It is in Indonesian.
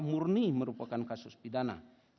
murni merupakan kasus pidana